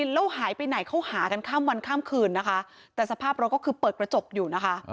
แล้วหายไปไหนเขาหากันข้ามวันข้ามคืนนะคะแต่สภาพรถก็คือเปิดกระจกอยู่นะคะ